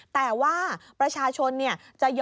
แต่ว่าประชาชนเนี่ย